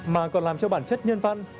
mà còn làm cho bản chất nhân văn